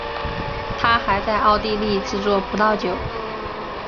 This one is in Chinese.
他还在奥地利制作葡萄酒。